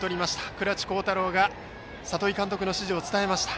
倉知幸太郎が里井監督の指示を伝えました。